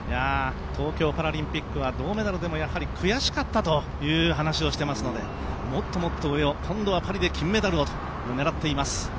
東京パラリンピックは銅メダルでも、やはり悔しかったという話をしていますのでもっともっと上を今度はパリで金メダルをと狙っています。